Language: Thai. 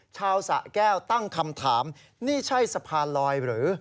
สะแก้วตั้งคำถามนี่ใช่สะพานลอยหรือ